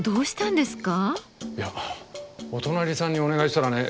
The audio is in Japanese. いやお隣さんにお願いしたらね